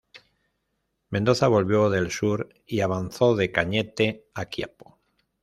Mendoza volvió del sur y avanzó de Cañete a Quiapo.